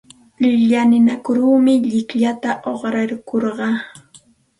Llalinakurmi llikllata uqraykurqaa.